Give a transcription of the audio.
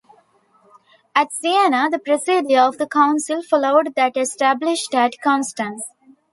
At Siena, the procedure of the Council followed that established at Constance.